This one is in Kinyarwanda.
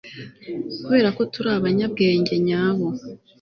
kubera ko turi abanyabwenge nyabo